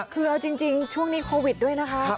คือจริงช่วงนี้โควิดด้วยนะครับ